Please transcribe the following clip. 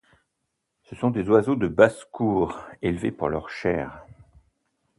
Ce sont des oiseaux de basse-cour élevés pour leur chair.